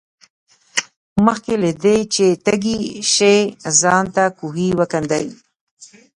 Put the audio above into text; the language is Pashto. مخکې له دې چې تږي شې ځان ته کوهی وکیندئ.